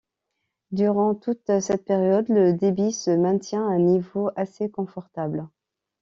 Durant toute cette période, le débit se maintient à un niveau assez confortable.